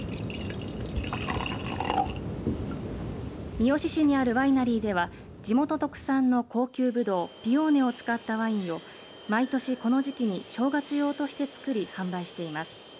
三次市にあるワイナリーでは地元特産の高級ぶどうピオーネを使ったワインを毎年この時期に正月用として造り販売しています。